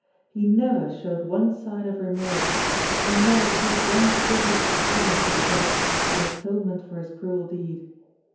He never showed one sign of remorse, he never paid one tribute of honour to the dead, in atonement for his cruel deed.